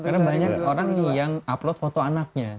karena banyak orang yang upload foto anaknya